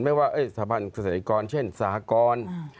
ไม่ว่าสถาบันเกษตรกรเช่นสหกร